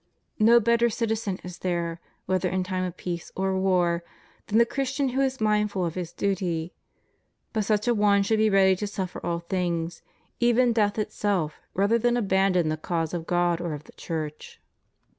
No better citizen is there, whether in time of peace or war, than the Christian who is mindful of his duty ; but such a one should be ready to suffer all things, even death itself, rather than abandon the cause of God or of the Church.